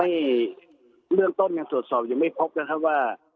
เบื้องต้นยังตรวจสอบยังไม่พบนะครับว่า